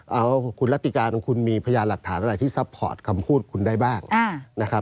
เอาคุณรัติการของคุณมีพยานหลักฐานอะไรที่ซัพพอร์ตคำพูดคุณได้บ้างนะครับ